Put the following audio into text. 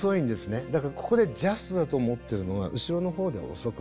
だからここでジャストだと思ってるのは後ろのほうでは遅くなる。